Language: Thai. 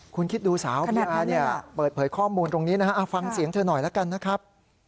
คุณคิดดูสาวพี่อาเนี่ยเปิดเผยข้อมูลตรงนี้นะฮะฟังเสียงเธอหน่อยแล้วกันนะครับ